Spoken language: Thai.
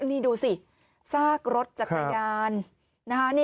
นี่ดูสิซากรถจักรยาน